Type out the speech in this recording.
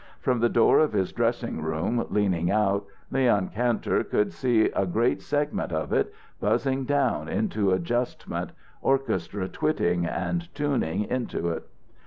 From the door of his dressing room, leaning out, Leon Kantor could see a great segment of it, buzzing down into adjustment, orchestra twitting and tuning into it.